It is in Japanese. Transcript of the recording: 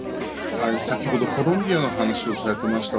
先ほどコロンビアの話をされていました。